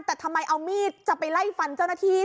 แต่ทำไมเอามีดจะไปไล่ฟันเจ้าหน้าที่